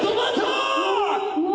・うわ！